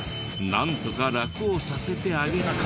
なんとかラクをさせてあげたい。